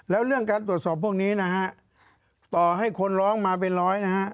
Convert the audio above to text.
แล้วเรื่องการตรวจสอบพวกนี้นะฮะต่อให้คนร้องมาเป็นร้อยนะฮะ